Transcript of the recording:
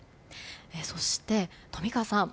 そして、富川さん